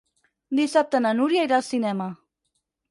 Dissabte na Núria irà al cinema.